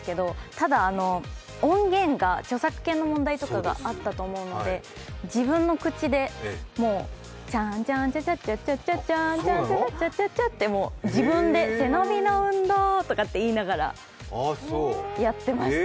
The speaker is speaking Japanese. ただ、音源が著作権の問題とかがあったと思うので、自分の口でチャーンチャッチャ背伸びの運動とかって言いながらやってました。